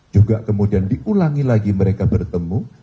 juga kemudian diulangi lagi mereka bertemu